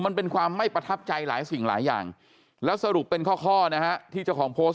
มันเป็นความไม่ประทับใจหลายสิ่งหลายอย่างแล้วสรุปเป็นข้อนะฮะที่เจ้าของโพสต์